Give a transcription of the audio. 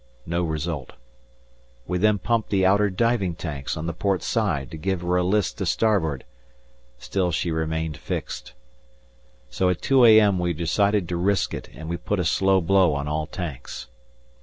No result. We then pumped the outer diving tanks on the port side to give her a list to starboard. Still she remained fixed. So at 2 a.m. we decided to risk it and we put a slow blow on all tanks.